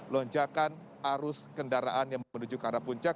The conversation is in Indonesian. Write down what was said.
lonjakan arus kendaraan yang menuju ke arah puncak